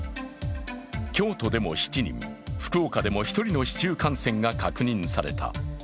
京都でも７人、福岡でも１人の市中感染が確認された。